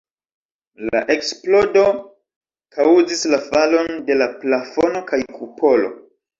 La eksplodo kaŭzis la falon de la plafono kaj kupolo.